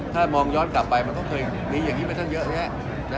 ถ้ามองย้อนกลับไปมันต้องเคยมีอย่างนี้มาตั้งเยอะแยะ